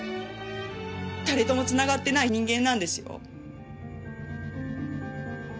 誰ともつながってない人間なんですよ。